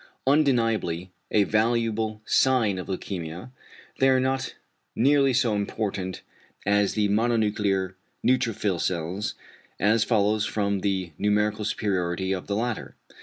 Undeniably a valuable sign of leukæmia, they are not nearly so important as the mononuclear neutrophil cells, as follows from the numerical superiority of the latter.